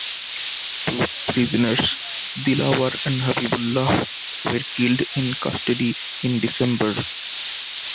Two prisoners, Dilawar and Habibullah, were killed in custody in December.